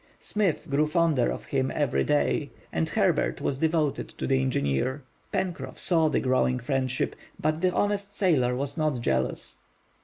Smith grew fonder of him every day and Herbert was devoted to the engineer. Pencroff saw the growing friendship, but the honest sailor was not jealous.